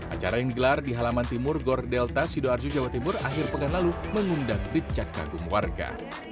acara yang digelar di halaman timur gor delta sidoarjo jawa timur akhir pekan lalu mengundang decak kagum warga